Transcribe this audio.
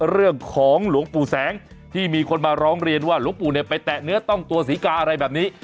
เรื่องของหลวงปู่แสงที่มีคนมาร้องเรียนว่าหลวงปู่เนี่ยไปแตะเนื้อต้องตัวศรีกาอะไรแบบนี้